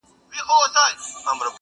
شرم پر حقيقت غالب کيږي تل,